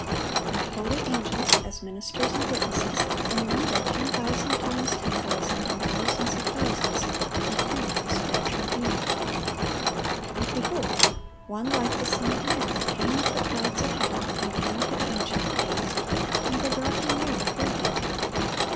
And holy angels, as ministers and witnesses, in number "ten thousand times ten thousand, and thousands of thousands," attend this great tribunal. "And, behold, one like the Son of man came with the clouds of heaven, and came to the Ancient of days, and they brought Him near before Him.